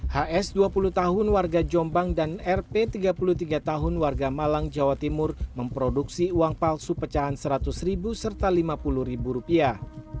hs dua puluh tahun warga jombang dan rp tiga puluh tiga tahun warga malang jawa timur memproduksi uang palsu pecahan seratus ribu serta lima puluh ribu rupiah